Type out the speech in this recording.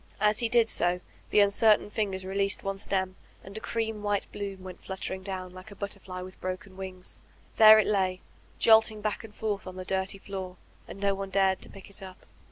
As he did so the uncertain fingers released one stem, and a cream white bloom went fluttering down, like a butterfly with broken wings. There it lay, jolting back and f orUi on the dirty floor, and no one dared to pick it up.